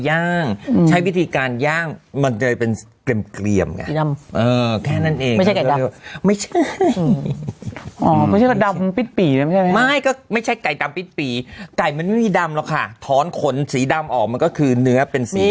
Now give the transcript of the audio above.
ไม่ใช่กลางปิ๊ดปี่ไก่มันไม่มีดำค่ะท้อนขนสีดำออกมันก็คือเนื้อเป็นสี